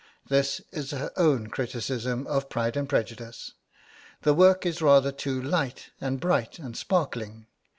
This is her own criticism of 'Pride and Prejudice': 'The work is rather too light, and bright, and sparkling.